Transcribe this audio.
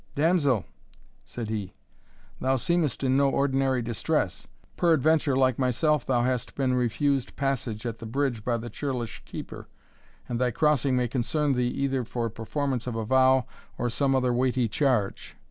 "Damsel," said he, "thou seemest in no ordinary distress; peradventure, like myself, thou hast been refused passage at the bridge by the churlish keeper, and thy crossing may concern thee either for performance of a vow, or some other weighty charge."